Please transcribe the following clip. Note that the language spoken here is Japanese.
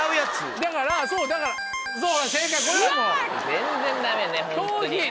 全然ダメねぇホントに。